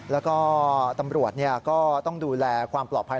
แล้วก็ตำรวจก็ต้องดูแลความปลอดภัย